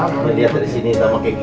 kamu liatin disini sama kayak gini